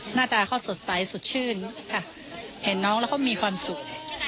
หน้าตาเขาสดใสสดชื่นค่ะเห็นน้องแล้วเขามีความสุข